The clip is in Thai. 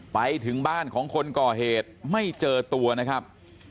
ไปถึงบ้านของคนก่อเหตุไม่เจอตัวนะครับ